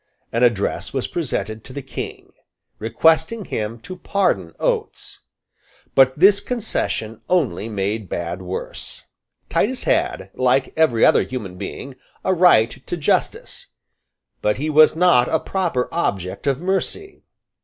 An address was presented to the King, requesting him to pardon Oates, But this concession only made bad worse. Titus had, like every other human being, a right to justice: but he was not a proper object of mercy.